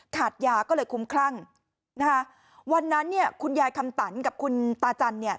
ขาดยาก็เลยคุ้มคลั่งนะคะวันนั้นเนี่ยคุณยายคำตันกับคุณตาจันเนี่ย